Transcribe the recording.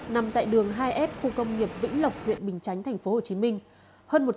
nằm tại đường hai f khu công nghiệp vĩnh lộc huyện bình chánh tp hcm